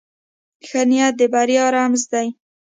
ښه نیت د بریا رمز دی.